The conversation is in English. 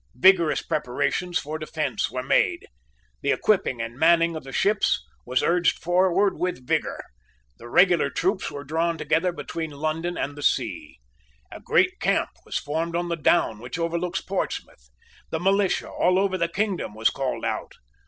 Vigorous preparations for defence were made. The equipping and manning of the ships was urged forward with vigour. The regular troops were drawn together between London and the sea. A great camp was formed on the down which overlooks Portsmouth. The militia all over the kingdom was called out.